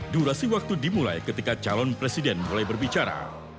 durasi waktu dimulai ketika calon presiden mulai berbicara